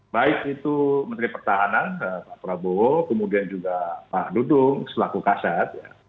baik itu menteri pertahanan pak prabowo kemudian juga pak dudung selaku kasat